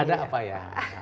ada apa ya